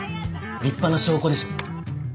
立派な証拠でしょ？